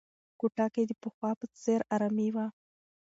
کوټه کې د پخوا په څېر ارامي وه.